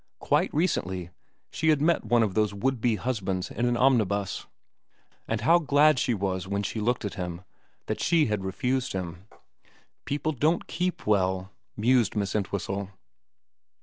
Quite recently she had met one of those would be husbands in an omnibus, and how glad she was when she looked at him that she had refused him. People don't keep well, mused Miss Entwhistle.